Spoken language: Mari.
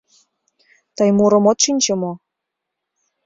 Тый мурым от шинче мо?